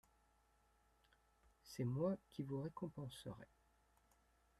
C'est moi qui vous récompenserai.